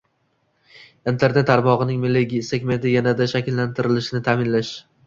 Internet tarmog'ining milliy segmenti yanada shakllantirilishini ta'minlash